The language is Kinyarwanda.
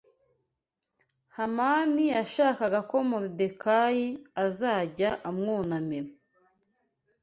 Hamani yashakaga ko Moridekayi azajya amwunamira